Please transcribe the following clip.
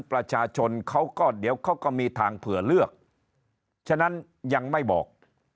ประชาชนเขาก็เดี๋ยวเขาก็มีทางเผื่อเลือกฉะนั้นยังไม่บอก